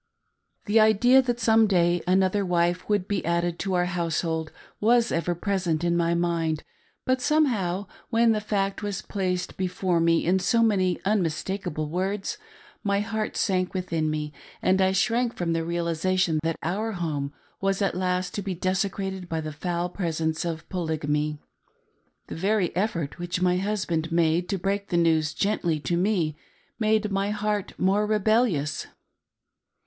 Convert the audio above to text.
The idea that some day another wife would be added to our household was evdSr present in my mind, but somehow, when the fact was placed before me in so many unmistakeabljC words, my heart sank within me, and I shrank from the real isation that our home was at last to be desecrated by the foul presence of Polygamy. The very effort which my husband made to break the news gently to me made my heart more rebellious.